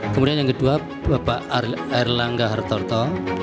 kemudian yang kedua bapak erlangga hartarto